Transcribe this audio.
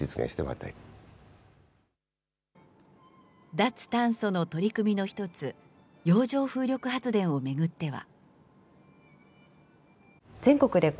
脱炭素の取り組みの一つ、洋上風力発電を巡っては。